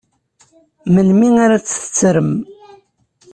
Melmi ara tt-tettrem?